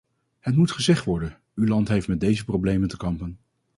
Het moet gezegd worden, uw land heeft met deze problemen te kampen.